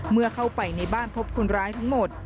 เมื่อเข้าไปในบ้านพบคนร้ายทั้งหมด